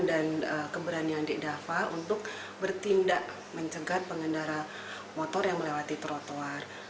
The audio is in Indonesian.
dan keberanian dek dava untuk bertindak mencegat pengendara motor yang melewati trotoar